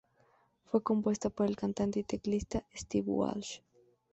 Fue compuesta por el cantante y teclista Steve Walsh.